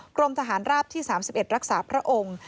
กรมทหารราบที่๓๑รักษาพระองค์